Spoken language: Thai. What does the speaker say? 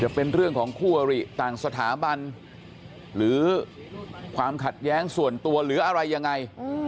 เป็นเรื่องของคู่อริต่างสถาบันหรือความขัดแย้งส่วนตัวหรืออะไรยังไง